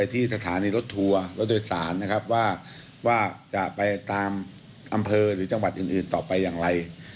ที่สถานีรถทัวร์รถโดยสารนะครับว่าจะไปตามอำเภอหรือจังหวัดอื่นต่อไปอย่างไร